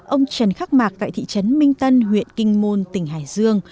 ông trần khắc mạc tại thị trấn minh tân huyện kinh môn tỉnh hải dương